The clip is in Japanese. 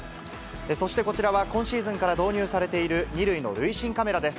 そしてこちらは、今シーズンから導入されている２塁の塁審カメラです。